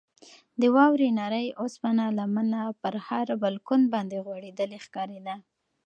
د واورې نرۍ او سپینه لمنه پر هر بالکن باندې غوړېدلې ښکارېده.